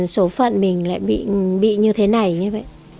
số phận mình lại bị như thế này như vậy